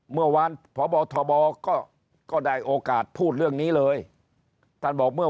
เมื่อวานพบทบก็ได้โอกาสพูดเรื่องนี้เลยท่านบอกเมื่อ